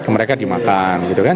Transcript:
mereka dimakan gitu kan